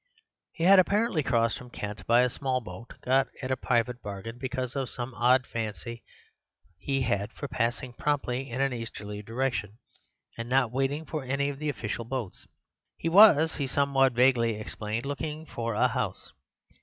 He had apparently crossed from Kent by a small boat got at a private bargain because of some odd fancy he had for passing promptly in an easterly direction, and not waiting for any of the official boats. He was, he somewhat vaguely explained, looking for a house.